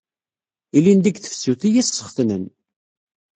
Ilindi deg tefsut i as-sxetnen.